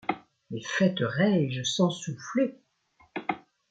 Mais faictes raige, sans souffler !